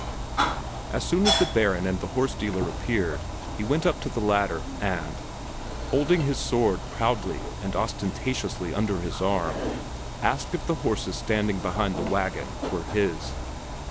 As soon as the Baron and the horse dealer appeared he went up to the latter and, holding his sword proudly and ostentatiously under his arm, asked if the horses standing behind the wagon were his.